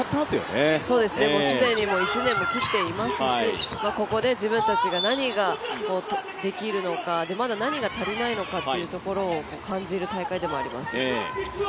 既に１年を切っていますしここで自分たちが何ができるのかまだ何が足りないのかということを感じる大会でもあります。